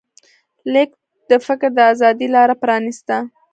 لیک د فکر د ازادۍ لاره پرانسته.